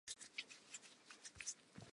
Jwale o tla fuwa khopi ya kopo eo.